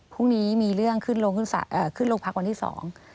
พวงนี้มีเรื่องขึ้นลงพักวันที่สอง